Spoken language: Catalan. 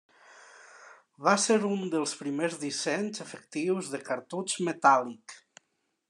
Va ser un dels primers dissenys efectius de cartutx metàl·lic.